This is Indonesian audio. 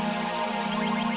mba abe dulu lagi